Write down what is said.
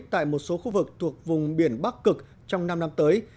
tại một số khu vực thuộc vùng biển bắc cực trong năm năm tới